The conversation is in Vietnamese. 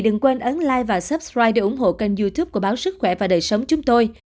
đừng quên ấn like và subscribe để ủng hộ kênh youtube của báo sức khỏe và đời sống chúng tôi